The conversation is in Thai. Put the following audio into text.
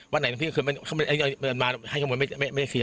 วันไหนนึกที่คือมันมาให้ข้อมูลไม่เคลียร์